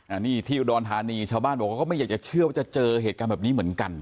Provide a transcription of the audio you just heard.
อันนี้ที่อุดรธานีชาวบ้านบอกว่าก็ไม่อยากจะเชื่อว่าจะเจอเหตุการณ์แบบนี้เหมือนกัน